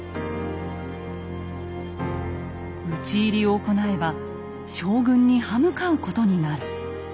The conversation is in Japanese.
討ち入りを行えば将軍に刃向かうことになる。